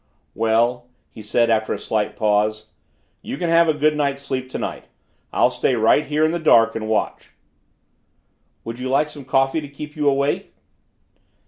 "Well," he said, after a slight pause, "you can have a good night's sleep tonight. I'll stay right here in the dark and watch." "Would you like some coffee to keep you awake?"